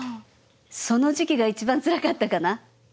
その時期が一番つらかったかな。